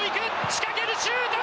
仕掛ける、シュート！